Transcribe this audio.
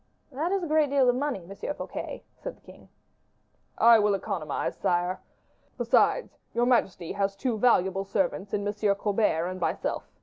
"That is a great deal of money, M. Fouquet," said the king. "I will economize, sire. Besides, your majesty as two valuable servants in M. Colbert and myself.